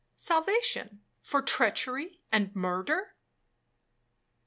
'—'Salvation, for treachery and murder?'